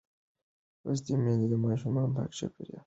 لوستې میندې د ماشوم پاک چاپېریال ته پاملرنه کوي.